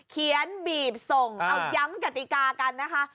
เขียนบีบส่งเอาย้ำกติกากันนะคะ